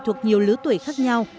thuộc nhiều lứa tuổi khác nhau